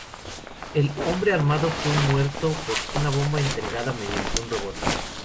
El hombre armado fue muerto por una bomba entregada mediante un robot.